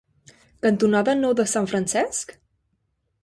cantonada Nou de Sant Francesc?